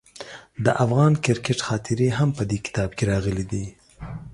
د افغان کرکټ خاطرې هم په دې کتاب کې راغلي دي.